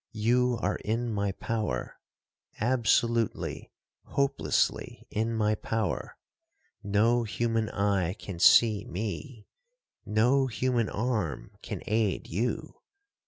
You are in my power,—absolutely, hopelessly in my power. No human eye can see me—no human arm can aid you.